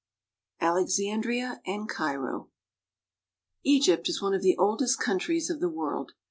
ALEXANDRIA AND CAIRO EGYPT is one of the oldest countries of the world.